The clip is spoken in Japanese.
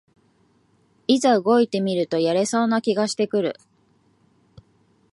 いざ動いてみるとやれそうな気がしてくる